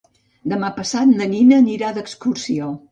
Demà passat na Nina anirà d'excursió.